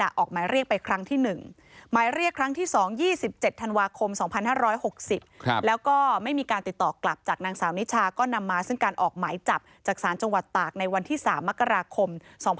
ออกหมายเรียกไปครั้งที่๑หมายเรียกครั้งที่๒๒๗ธันวาคม๒๕๖๐แล้วก็ไม่มีการติดต่อกลับจากนางสาวนิชาก็นำมาซึ่งการออกหมายจับจากศาลจังหวัดตากในวันที่๓มกราคม๒๕๖๒